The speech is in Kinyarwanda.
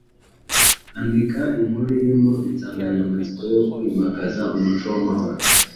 Andika inkuru irimo insanganyamatsiko yo kwimakaza umuco w’amahoro”